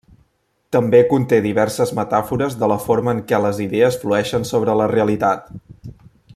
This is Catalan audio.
També conté diverses metàfores de la forma en què les idees flueixen sobre la realitat.